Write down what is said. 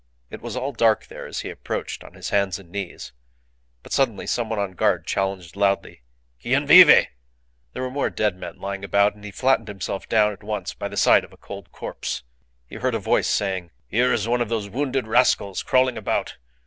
It was all dark there as he approached on his hands and knees, but suddenly someone on guard challenged loudly, "Quien vive?" There were more dead men lying about, and he flattened himself down at once by the side of a cold corpse. He heard a voice saying, "Here is one of those wounded rascals crawling about.